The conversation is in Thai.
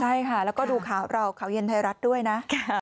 ใช่ค่ะแล้วก็ดูข่าวเราข่าวเย็นไทยรัฐด้วยนะ